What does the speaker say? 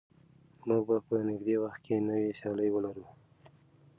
موږ به په نږدې وخت کې نوې سیالۍ ولرو.